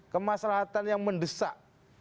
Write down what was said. kemasrahatan yang mendesak